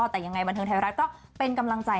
แต่ยังไงบันเทิงไทยรัฐก็เป็นกำลังใจ